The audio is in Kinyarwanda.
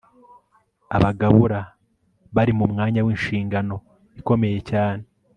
abagabura bari mu mwanya winshingano ikomeye cyane